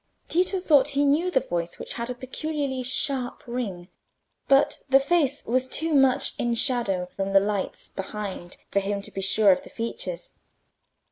Tito thought he knew the voice, which had a peculiarly sharp ring, but the face was too much in shadow from the lights behind for him to be sure of the features.